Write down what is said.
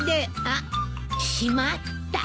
あっしまった！